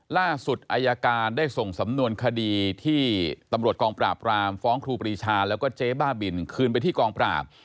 ล่าสุดอายการได้ส่งสำนวนคดีที่ตำรวจกองปราบรามฟ้องครูปรีชาแล้วก็เจ๊บ้าบินคืนไปที่กองปราบ